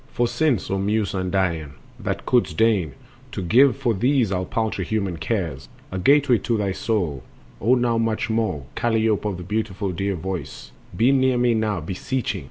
For since, O Muse undying, thou couldst deign To give for these our paltry human cares A gateway to thy soul, O now much more, Kalliope of the beautiful dear voice, Be near me now beseeching!